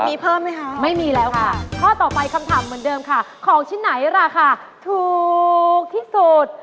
มีเพิ่มไหมคะไม่มีแล้วค่ะข้อต่อไปคำถามเหมือนเดิมค่ะของชิ้นไหนราคาถูกที่สุด